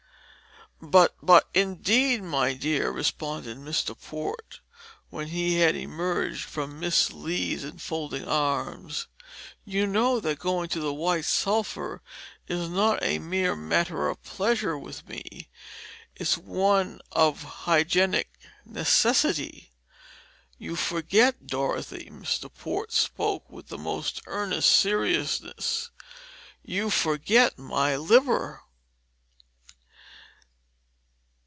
"But but indeed, my dear," responded Mr. Port, when he had emerged from Miss Lee's enfolding arms, "you know that going to the White Sulphur is not a mere matter of pleasure with me; it is one of hygienic necessity. You forget, Dorothy" Mr. Port spoke with a most earnest seriousness "you forget my liver."